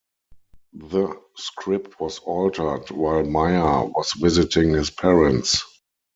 The script was altered while Meyer was visiting his parents.